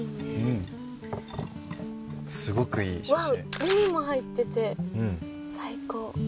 海も入ってて最高。